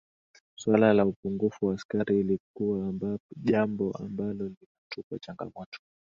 Suala la upungufu wa askari lilikua jambo ambalo linatupa changamoto